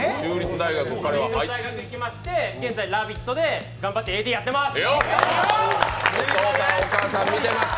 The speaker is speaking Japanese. アメリカに行きまして、現在「ラヴィット！」でＡＤやってます！